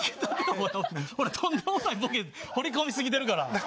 とんでもないボケ、放り込み過ぎてるから。